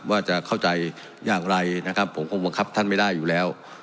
ว่าจะเข้าใจอย่างไรนะครับผมคงบังคับท่านไม่ได้อยู่แล้ว